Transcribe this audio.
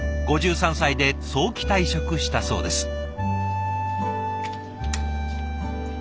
５３歳で早期退職したそうです。